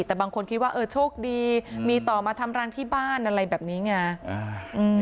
แต่บางคนคิดว่าเออโชคดีมีต่อมาทำรังที่บ้านอะไรแบบนี้ไง